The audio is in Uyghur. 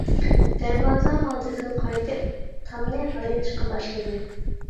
دەرۋازا ئالدىدىن قايتىپ تامنى ئايلىنىشقا باشلىدىم.